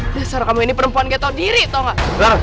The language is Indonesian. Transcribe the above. dasar kamu ini perempuan gaya tau diri tau gak